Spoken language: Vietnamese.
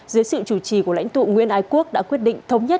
dưới sự chủ trì của lãnh tụ nguyễn ái quốc đã quyết định thống nhất